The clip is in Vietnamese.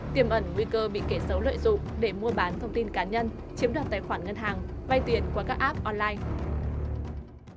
tiềm ẩn nguy cơ bị kẻ xấu lợi dụng để mua bán thông tin cá nhân chiếm đoạt tài khoản ngân hàng vay tiền qua các app online